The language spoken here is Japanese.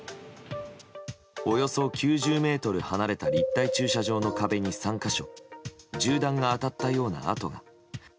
およそ９０ｍ離れた立体駐車場の壁に３か所銃弾が当たったような跡が。